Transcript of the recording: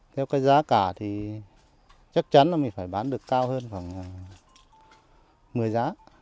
theo cái giá cả thì chắc chắn là mình phải bán được cao hơn khoảng một mươi giá